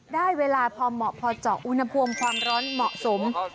ได้เวลาพอเหมาะพอเจอกูณพวงความร้อนเหมาะสม